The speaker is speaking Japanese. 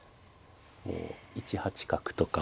１八角とか。